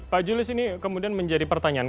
pak julius ini kemudian menjadi pertanyaan